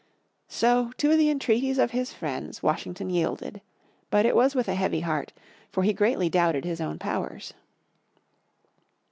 So to the entreaties of his friends Washington yielded. But it was with a heavy heart, for he greatly doubted his own powers.